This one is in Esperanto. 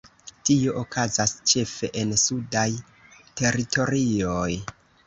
Tio okazas ĉefe en sudaj teritorioj.